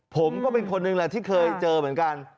ผมก็เป็นคนหนึ่งแหละที่เคยเจอเหมือนกัน